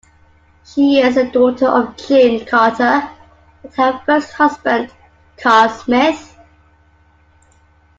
She is the daughter of June Carter and her first husband, Carl Smith.